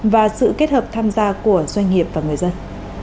và sự kết hợp tham gia của doanh nghiệp và người dân